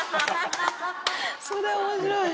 それ面白い。